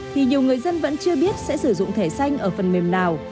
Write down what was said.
thì nhiều người dân vẫn chưa biết sẽ sử dụng thẻ xanh ở phần mềm nào